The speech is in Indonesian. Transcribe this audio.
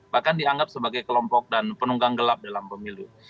bahkan dianggap sebagai kelompok dan penunggang gelap dalam pemilu